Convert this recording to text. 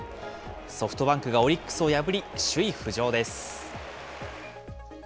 ソフトバンクがオリックスを破り、首位浮上です。